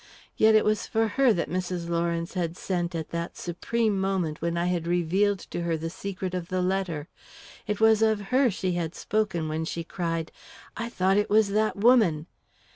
Yet it was for her that Mrs. Lawrence had sent at that supreme moment when I revealed to her the secret of the letter; it was of her she had spoken when she cried, "I thought it was that woman!"